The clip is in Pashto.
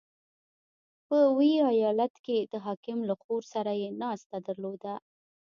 • په ویي ایالت کې د حاکم له خور سره یې ناسته درلوده.